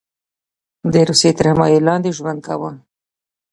د روسیې تر حمایې لاندې ژوند کاوه.